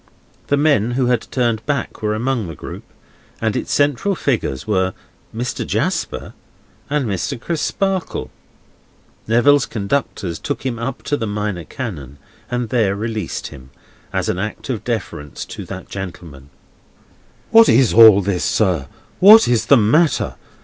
The men who had turned back were among the group; and its central figures were Mr. Jasper and Mr. Crisparkle. Neville's conductors took him up to the Minor Canon, and there released him, as an act of deference to that gentleman. "What is all this, sir? What is the matter?